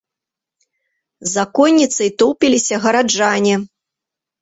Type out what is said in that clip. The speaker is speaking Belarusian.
За конніцай тоўпіліся гараджане.